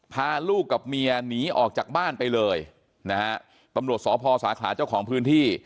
พาลูกกับเมียหนีออกจากบ้านไปเลยนะฮะตำรวจสพสาขาเจ้าของพื้นที่